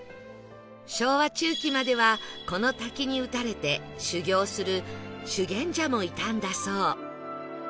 昭和中期まではこの滝に打たれて修行する修験者もいたんだそう